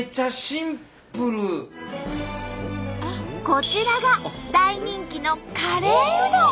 こちらが大人気のカレーうどん。